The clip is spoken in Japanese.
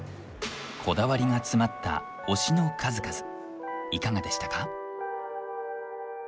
こだわりが詰まった「推し」の数々いかがでしたか？